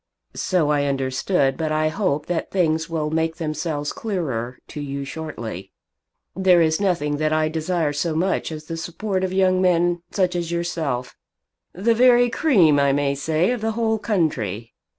"So I understood, but I hope that things will make themselves clearer to you shortly. There is nothing that I desire so much as the support of young men such as yourself, the very cream, I may say, of the whole country.